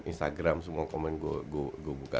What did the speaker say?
instagram semua komen gue buka